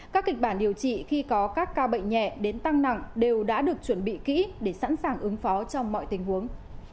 các kịch bản điều trị khi có các ca bệnh nhẹ đến tăng nặng đều đã được chuẩn bị kỹ để sẵn sàng ứng phó trong mọi tình huống